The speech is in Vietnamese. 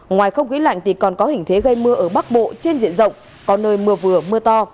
ngoài không khí lạnh thì còn có hình thế gây mưa ở bắc bộ trên diện rộng có nơi mưa vừa mưa to